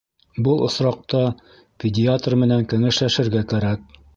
Был осраҡта пе-диатр менән кәңәшләшергә кәрәк.